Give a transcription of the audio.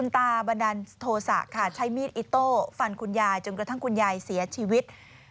ตาบันดาลโทษะค่ะใช้มีดอิโต้ฟันคุณยายจนกระทั่งคุณยายเสียชีวิต